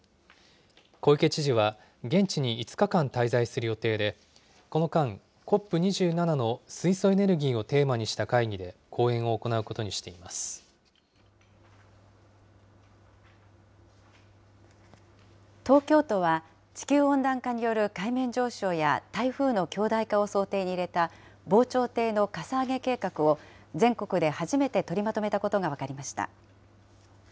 小池知事は現地に５日間滞在する予定で、この間、ＣＯＰ２７の水素エネルギーをテーマにした会議で講演を行うこと東京都は、地球温暖化による海面上昇や台風の強大化を想定に入れた防潮堤のかさ上げ計画を、全国で初めて取りまとめたことが分かりました。